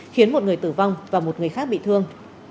khiến một người tử vong và một người khác bị thương